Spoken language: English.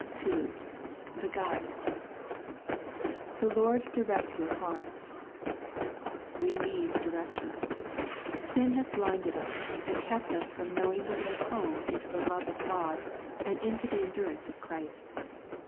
2. The Guide. " 7 he Lord direct your hearts,^'* We need direction. Sin has blinded us, and kept us from knowing the way home into the love of God, and into the endurance of Christ.